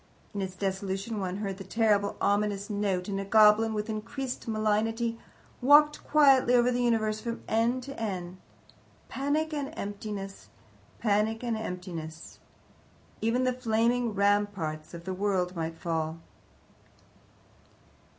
In its dissolution one heard the terrible, ominous note, and a goblin, with increased malignity, walked quietly over the universe from end to end. Panic and emptiness! Panic and emptiness! Even the flaming ramparts of the world might fall.